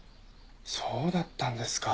そうだったんですか。